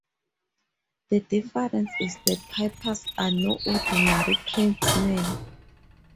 The difference is the pipers are no ordinary tradesmen.